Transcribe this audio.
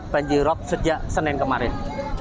banjir rob sejak senin kemarin